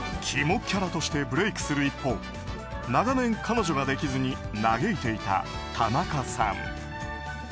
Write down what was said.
キモキャラとしてブレークする一方長年、彼女ができずに嘆いていた田中さん。